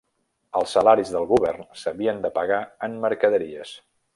Els salaris del govern s'havien de pagar en mercaderies.